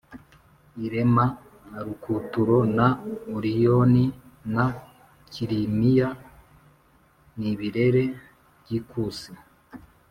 irema arukuturo na oriyoni na kilimiya, n’ibirere by’ikusi